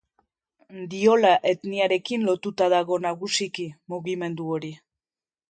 Diola etniarekin lotuta dago nagusiki mugimendu hori.